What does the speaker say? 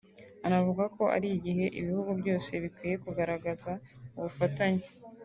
anavuga ko ari igihe ibihugu byose bikwiye kugaragaza ubufatanye